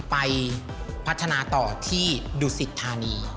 ไปพัฒนาต่อที่ดุสิทธานี